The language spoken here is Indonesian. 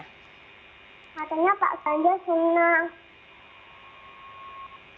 katanya pak ganjar senang